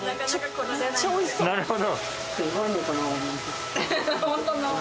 なるほど。